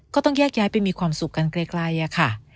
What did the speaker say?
ก็ต้องแยกย้ายไปมีความสุขกันไกลค่ะ